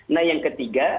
nah yang ketiga